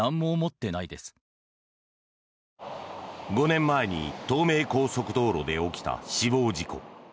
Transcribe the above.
５年前に東名高速道路で起きた死亡事故。